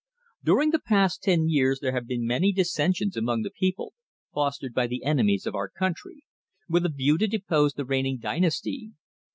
During the past ten years there have been many dissensions among the people, fostered by the enemies of our country, with a view to depose the reigning dynasty.